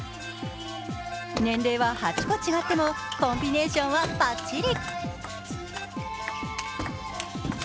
年齢は８個違ってもコンビネーションはばっちり。